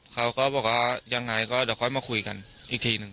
เขาก็บอกว่ายังไงก็เดี๋ยวค่อยมาคุยกันอีกทีหนึ่ง